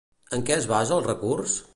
En què es basa el recurs?